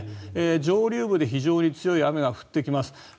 上流部で非常に強い雨が降っています。